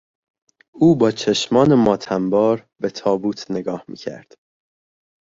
او با چشمان ماتم بار به تابوت نگاه میکرد.